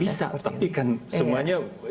bisa tapi kan semuanya